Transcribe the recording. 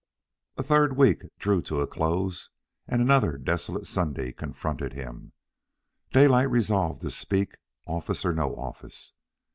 As the third week drew to a close and another desolate Sunday confronted him, Daylight resolved to speak, office or no office.